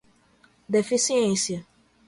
deficiência